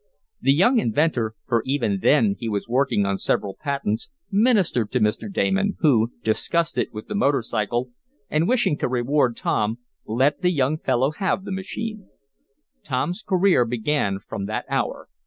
The young inventor (for even then he was working on several patents) ministered to Mr. Damon, who, disgusted with the motor cycle, and wishing to reward Tom, let the young fellow have the machine. Tom's career began from that hour.